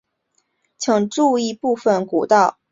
请注意部份古道的路径可能不明显或不连贯。